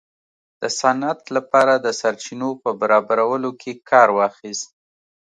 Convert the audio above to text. د صنعت لپاره د سرچینو په برابرولو کې کار واخیست.